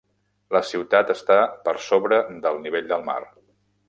La ciutat està per sobre del nivell del mar.